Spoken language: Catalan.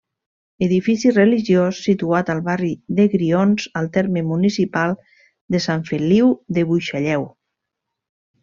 Edifici religiós situat al barri de Grions, al terme municipal de Sant Feliu de Buixalleu.